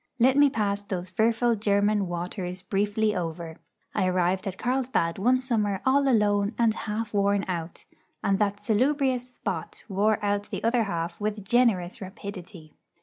Let me pass those fearful German waters briefly over. I arrived at Carlsbad one summer all alone and half worn out; and that salubrious spot wore out the other half with generous rapidity.